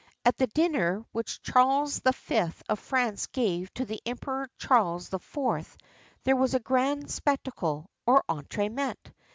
At the dinner which Charles V. of France gave to the Emperor Charles IV. there was a grand spectacle, or entre met.